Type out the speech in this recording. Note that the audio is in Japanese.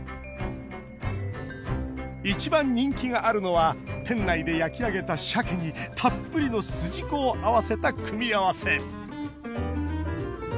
一番人気があるのは店内で焼き上げた、しゃけにたっぷりのすじこを合わせた組み合わせ。